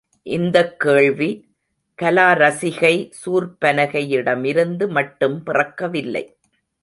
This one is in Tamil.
இந்தக் கேள்வி, கலா ரசிகை சூர்ப்பனகையிடமிருந்து மட்டும் பிறக்கவில்லை.